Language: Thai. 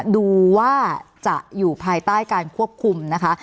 ดูว่าจะอยู่ภายใต้การควบคุมนะคะ